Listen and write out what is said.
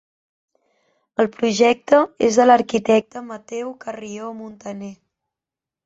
El projecte és de l'arquitecte Mateu Carrió Muntaner.